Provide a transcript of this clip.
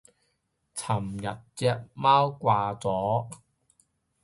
琴日隻貓掛咗